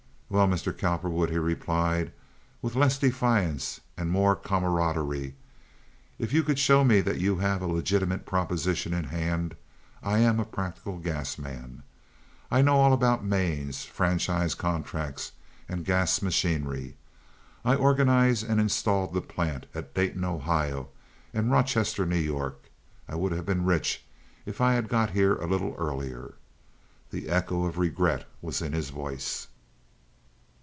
"Well, Mr. Cowperwood," he replied, with less defiance and more camaraderie, "if you could show me that you have a legitimate proposition in hand I am a practical gas man. I know all about mains, franchise contracts, and gas machinery. I organized and installed the plant at Dayton, Ohio, and Rochester, New York. I would have been rich if I had got here a little earlier." The echo of regret was in his voice.